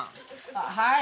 はい。